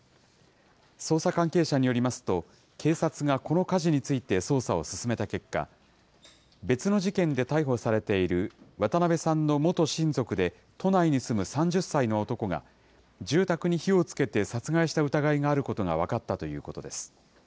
捜査関係者によりますと、警察がこの火事について捜査を進めた結果、別の事件で逮捕されている渡邉さんの元親族で都内に住む３０歳の男が、住宅に火をつけて殺害した疑いがあることが分かったということです。